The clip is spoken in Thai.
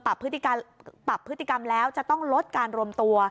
ปรับพฤติกรรมแล้วจะต้องลดการรวมตัว